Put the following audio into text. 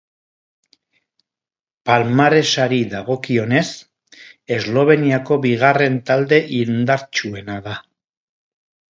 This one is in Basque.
Palmaresari dagokionez Esloveniako bigarren talde indartsuena da.